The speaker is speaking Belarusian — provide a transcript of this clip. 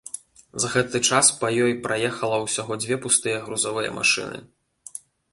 За гэты час па ёй праехала ўсяго дзве пустыя грузавыя машыны.